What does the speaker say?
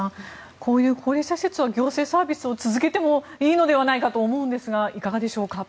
こういう高齢者施設は行政サービスを続けてもいいのではないかと思うんですがいかがでしょうか。